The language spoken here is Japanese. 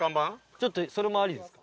ちょっとそれもありですか？